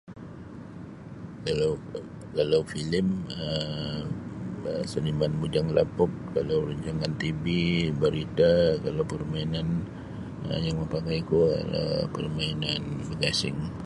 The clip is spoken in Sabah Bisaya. Kalau-kalau filem um Seniman Bujang Lapuk kalau rancang TV berita kalau permainan um yang mapakai ku adalah permainan bagasing.